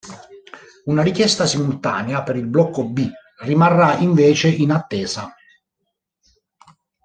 Una richiesta simultanea per il blocco B rimarrà invece in attesa.